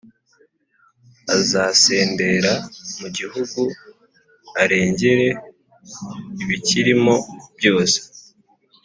Azasendera mu gihugu arengere ibikirimo byose